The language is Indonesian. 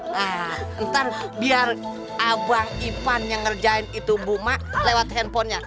nah ntar biar abang ipan yang ngerjain itu buma lewat handphonenya